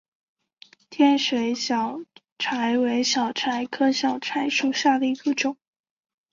天水小檗为小檗科小檗属下的一个种。